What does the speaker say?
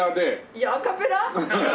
いやアカペラ！？